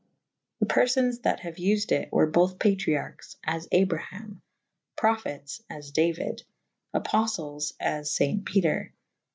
The perfones that haue vfed it / were bothe patriarches / as Abraham. Prophetes / as Dauyd / Apoftels / as faynt Peter.